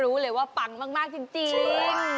ผู้โชคดีได้แกคุณประสงค์แสงจันดาจากจังหวัดลบปลอดภัย